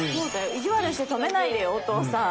意地悪して止めないでよお父さん。